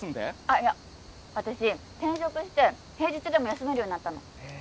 あっいや私転職して平日でも休めるようになったのへえ